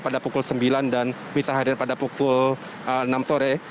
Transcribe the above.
misa akan dilakukan pada pukul sembilan dan misa harian pada pukul enam sore